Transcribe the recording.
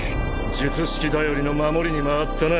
術式頼りの守りに回ったな。